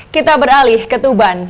kita beralih ke tuban